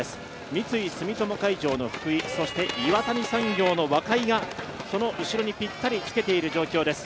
三井住友海上の福居、岩谷産業の若井が後ろにぴったりつけている状況です。